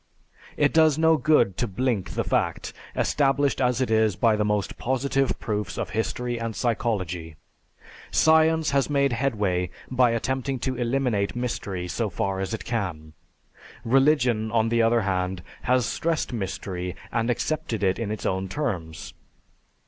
It does no good to blink the fact, established as it is by the most positive proofs of history and psychology. Science has made headway by attempting to eliminate mystery so far as it can. Religion, on the other hand, has stressed mystery and accepted it in its own terms.